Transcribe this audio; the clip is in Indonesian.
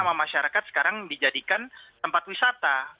sama masyarakat sekarang dijadikan tempat wisata